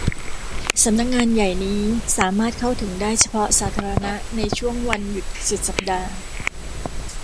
สำนักงานใหญ่นี้สามารถเข้าถึงได้เฉพาะสาธารณะในช่วงวันหยุดสุดสัปดาห์